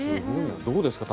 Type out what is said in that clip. どうですか？